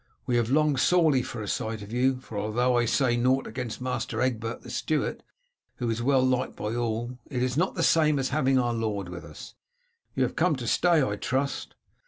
We have longed sorely for a sight of you, for though I say nought against Master Egbert the steward, who is well liked by all, it is not the same as having our lord with us. You have come to stay, I trust."